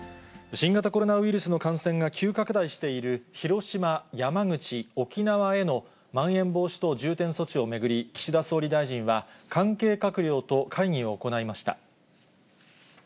新型コロナウイルスの感染が急拡大している広島、山口、沖縄へのまん延防止等重点措置を巡り、岸田総理大臣は、関係閣僚と会議を行いました。